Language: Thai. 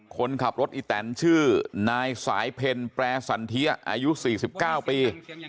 คนขับรถอีแตนชื่อนายสายเพลแปรสันเทียอายุ๔๙ปี